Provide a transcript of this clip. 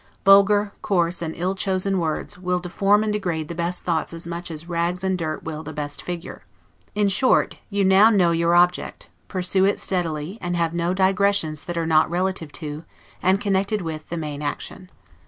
Vulgar, coarse, and ill chosen words, will deform and degrade the best thoughts as much as rags and dirt will the best figure. In short, you now know your object; pursue it steadily, and have no digressions that are not relative to, and connected with, the main action.